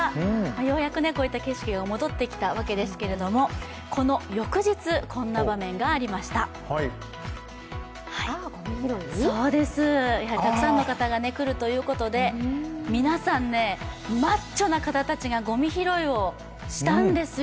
ようやくこういった景色が戻ってきたわけですけれども、この翌日、こんな場面がありましたたくさんの方が来るということで、皆さん、マッチョな方たちがごみ拾いをしたんですよ。